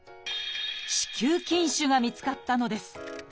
「子宮筋腫」が見つかったのです。